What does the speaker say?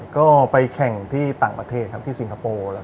ก็ไปแข่งที่ต่างประเทศครับที่สิงคโปร์